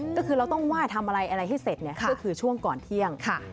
ก็คือเราต้องไหว้ทำอะไรอะไรให้เสร็จก็คือช่วงก่อนเที่ยง